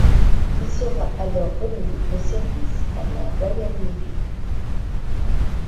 Il sera alors remis en service par la Royal Navy.